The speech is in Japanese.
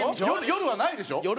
夜はないんでしょ？